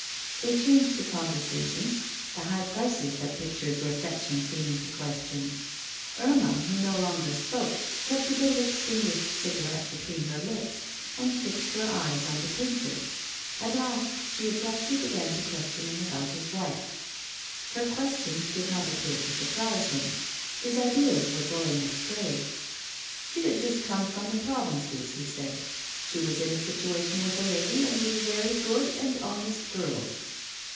They changed the conversation; the high prices that pictures were fetching came into question. Irma, who no longer spoke, kept a bit of extinguished cigarette between her lips, and fixed her eyes on the painter. At last she abruptly began to question him about his wife. Her questions did not appear to surprise him; his ideas were going astray: 'She had just come from the provinces,' he said. 'She was in a situation with a lady, and was a very good and honest girl.